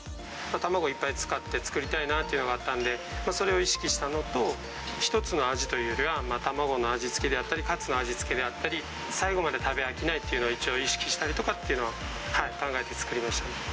卵をいっぱい使って作りたいなというのがあったんで、それを意識したのと、一つの味というよりは、卵の味付けであったり、カツの味付けであったり、最後まで食べ飽きないっていうのを一応、意識したりとかっていうのは考えて作りましたね。